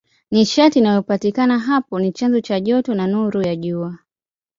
Nishati inayopatikana hapo ni chanzo cha joto na nuru ya Jua.